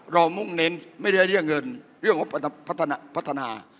มุ่งเน้นไม่ได้เรื่องเงินเรื่องงบพัฒนา